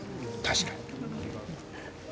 確かに。